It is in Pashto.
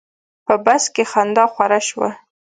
په بس کې خندا خوره شوه.